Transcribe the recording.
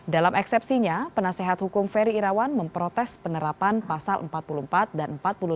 dalam eksepsinya penasehat hukum ferry irawan memprotes penerapan pasal empat puluh empat dan empat puluh lima